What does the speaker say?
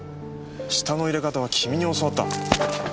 舌の入れ方は君に教わった。